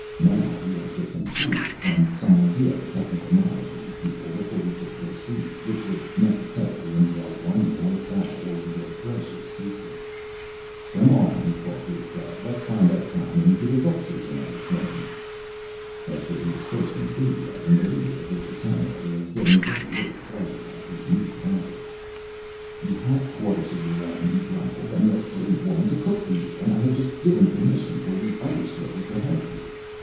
Now he had to get some tools and some idea of the technical knowledge of these people before he could proceed, which would necessarily entail one more battle over their precious secrets. "Come on," he called to his guard, "let's find Edipon and give his ulcers another twinge." After his first enthusiasm the leader of the D'zertanoj was getting very little pleasure out of his new project. "You have quarters of your own," he grumbled, "and the slave woman to cook for you, and I have just given permission for the other slave to help you.